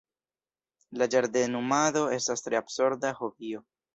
La ĝardenumado estas tre absorba hobio!